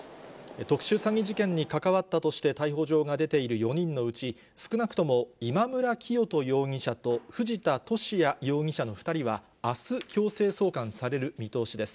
特殊詐欺事件に関わったとして逮捕状が出ている４人のうち、少なくとも今村磨人容疑者と藤田聖也容疑者の２人は、あす強制送還される見通しです。